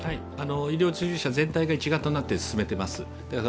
医療従事者全体が一丸となって進めています。